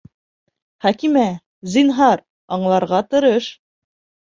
Хәкимә, зинһар, аңларға тырыш!